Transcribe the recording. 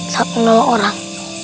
saat menolak orang